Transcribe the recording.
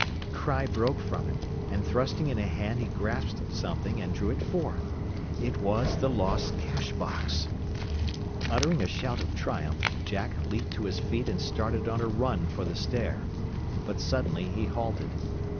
A cry broke from him, and thrusting in a hand he grasped something, and drew it forth. It was the lost cash box! Uttering a shout of triumph, Jack leaped to his feet and started on a run for the stair. But suddenly he halted.